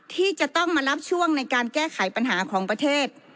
ที่จะต้องมารับช่วงในการแก้ไขปัญหาของประเทศ